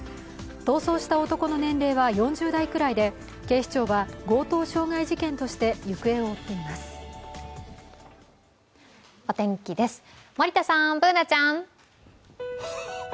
逃走した男の年齢は４０代くらいで警視庁は強盗傷害事件として行方を追っています。